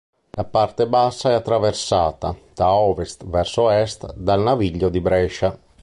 La parte bassa è attraversata, da ovest verso est, dal Naviglio di Brescia.